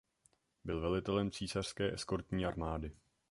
Byl velitelem císařské eskortní armády.